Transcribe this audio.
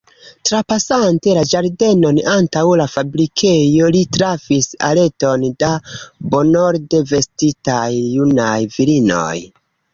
Trapasante la ĝardenon antaŭ la fabrikejo, li trafis areton da bonorde vestitaj junaj virinoj.